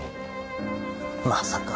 まさか。